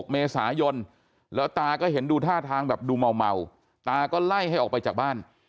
เมษายนแล้วตาก็เห็นดูท่าทางแบบดูเมาตาก็ไล่ให้ออกไปจากบ้าน